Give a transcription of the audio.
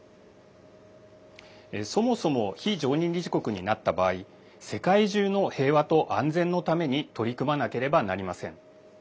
そもそも非常任理事国になった場合世界中の平和と安全のために取り組まなければなりません。